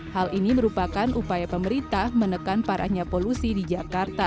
hal ini merupakan upaya pemerintah menekan parahnya polusi di jakarta